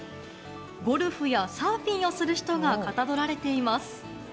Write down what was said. ゴルフやサーフィンをする人がかたどられています。